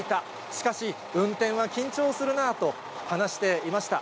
しかし、運転は緊張するなあと話していました。